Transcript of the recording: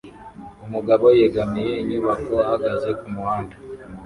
Umugabo yegamiye inyubako ahagaze kumuhanda